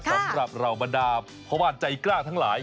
สำหรับเหล่าบรรดาพ่อบ้านใจกล้าทั้งหลาย